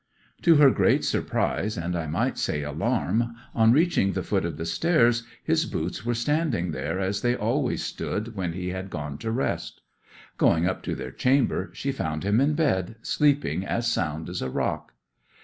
'To her great surprise, and I might say alarm, on reaching the foot of the stairs his boots were standing there as they always stood when he had gone to rest; going up to their chamber she found him in bed sleeping as sound as a rock.